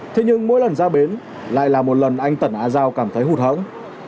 thế nhưng mỗi lần ra bến lại là một lần anh tần á giao cảm thấy hụt hẫng